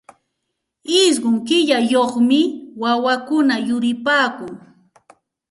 Ishqun killayuqmi wawakuna yuripaakun.